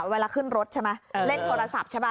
เวลาขึ้นรถใช่มั้ยเล่นโทรศัพท์ใช่มั้ย